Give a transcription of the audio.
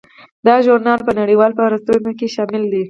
دا ژورنال په نړیوالو فهرستونو کې شامل دی.